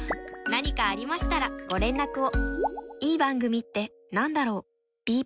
何かありましたらご連絡を。